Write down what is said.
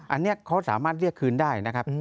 อันนี้เขาสามารถเรียกคืนได้นะครับ